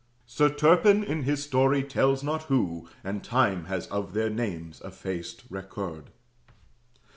Sir Turpin in his story tells not who, And Time has of their names effaced record.